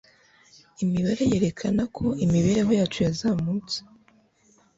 Imibare yerekana ko imibereho yacu yazamutse